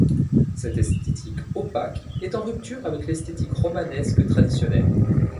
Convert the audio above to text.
Cette esthétique opaque est en rupture avec l'esthétique romanesque traditionnelle.